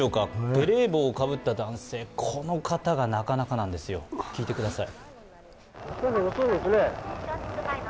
ベレー帽をかぶった男性、この方がなかなかなんですよ、聞いてください。